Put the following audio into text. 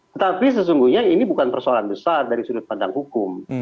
tetapi sesungguhnya ini bukan persoalan besar dari sudut pandang hukum